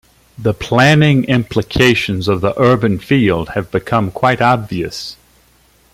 The planning implications of the urban field have become quite obvious.